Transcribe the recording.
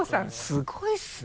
すごいですね。